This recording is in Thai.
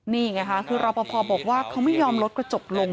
นี่ไงค่ะคือรอปภบอกว่าเขาไม่ยอมลดกระจกลง